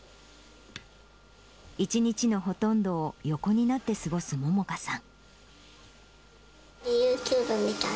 １日のほとんどを横になって過ごす萌々華さん。